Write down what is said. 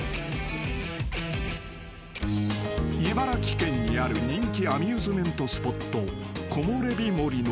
［茨城県にある人気アミューズメントスポット］